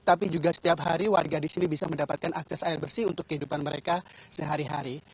tapi juga setiap hari warga di sini bisa mendapatkan akses air bersih untuk kehidupan mereka sehari hari